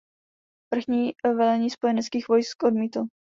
Vrchní velení spojeneckých vojsk odmítl.